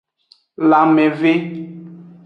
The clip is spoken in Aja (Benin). Lanmeve.